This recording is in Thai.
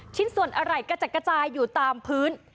ชิ้นส่วนอะไรกระจัดกระจายอยู่ตามพื้น